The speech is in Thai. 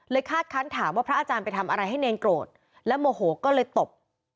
คาดคันถามว่าพระอาจารย์ไปทำอะไรให้เนรโกรธและโมโหก็เลยตบ